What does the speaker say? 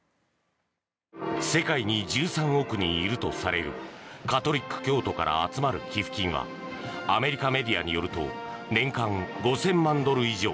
世界に１３億人いるとされるカトリック教徒から集まる寄付金はアメリカメディアによると年間５０００万ドル以上。